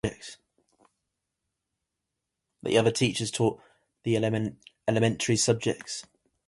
The other teachers taught the elementary subjects.